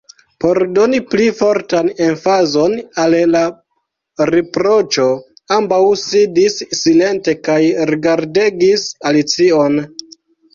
Por doni pli fortan emfazon al la riproĉo, ambaŭ sidis silente kaj rigardegis Alicion.